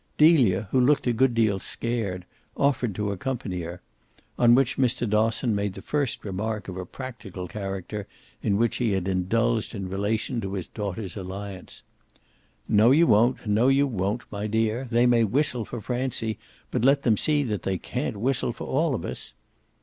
Delia, who looked a good deal scared, offered to accompany her; on which Mr. Dosson made the first remark of a practical character in which he had indulged in relation to his daughter's alliance. "No you won't no you won't, my dear. They may whistle for Francie, but let them see that they can't whistle for all of us."